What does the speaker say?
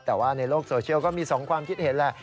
แต่ว่าในโลกโซเชียลก็มี๒ความคิดเห็นแหละ